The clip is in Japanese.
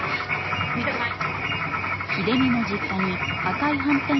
見たくない！